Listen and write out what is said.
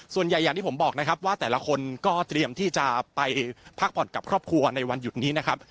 อย่างที่ผมบอกนะครับว่าแต่ละคนก็เตรียมที่จะไปพักผ่อนกับครอบครัวในวันหยุดนี้นะครับ